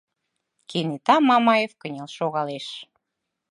Кенета Мамаев кынел шогалеш.